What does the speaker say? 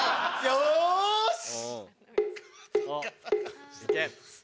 よし！